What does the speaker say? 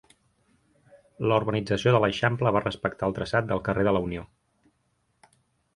La urbanització de l'Eixample va respectar el traçat del carrer de la Unió.